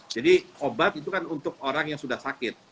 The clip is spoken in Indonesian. jadi obat itu kan untuk orang yang sudah sakit